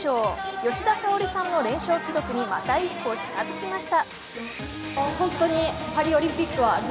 吉田沙保里さんの連勝記録にまた一歩近づきました。